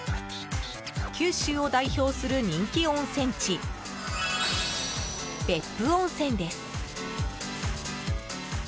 九州を代表する人気温泉地別府温泉です。